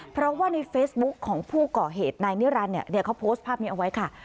เพราะว่าในเฟซบุ๊คของผู้ก่อเหตุนายนิรันดิเขาโพสต์ภาพนี้เอาไว้ค่ะ